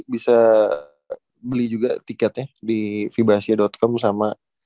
bisa beli juga tiketnya di vibahasia com sama